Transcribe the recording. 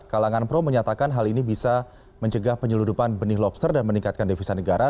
kalangan pro menyatakan hal ini bisa mencegah penyeludupan benih lobster dan meningkatkan devisa negara